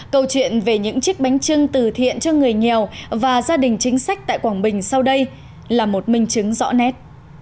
câu chuyện về những chiếc bánh trưng từ thiện cho người nghèo và gia đình chính sách tại quảng bình sau đây là một minh chứng rõ nét